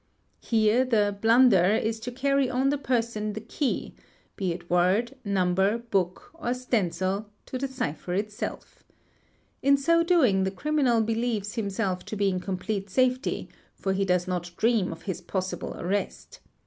Here the "blunder" is to carry on the person ~ the key, be it word, number, book, or stencil, to the cipher itself. In so doing the criminal believes himself to be in complete safety for he does not dream of his possible arrest.